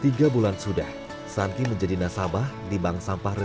tiga bulan sudah santi menjadi nasabah dan pengelola sampah terpadu